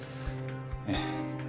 ええ。